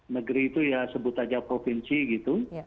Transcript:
negeri itu ya sebut aja provinsi gitu